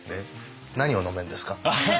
何を飲めるんですか？